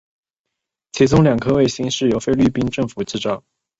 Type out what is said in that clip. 其中的两颗卫星将由菲律宾政府制造。